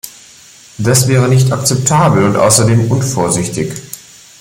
Das wäre nicht akzeptabel und außerdem unvorsichtig.